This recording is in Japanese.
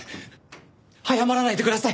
早まらないでください！